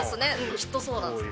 きっとそうなんですよ。